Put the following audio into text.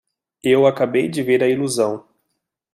Eu acabei de ver a ilusão!